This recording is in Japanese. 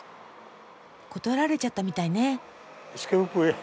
断られちゃったみたいね。